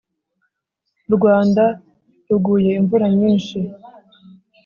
rwanda ruguye imvura nyinshi